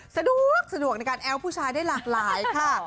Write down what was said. สะดวกในการแอ้วผู้ชายได้หลากหลายค่ะ